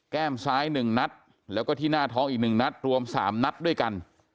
แก้มซ้าย๑นัดแล้วก็ที่หน้าท้องอีก๑นัดรวม๓นัดด้วยกัน